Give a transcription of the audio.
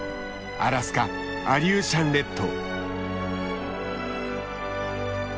アラスカアリューシャン列島。